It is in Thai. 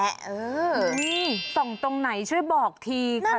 นี่ส่องตรงไหนช่วยบอกทีค่ะ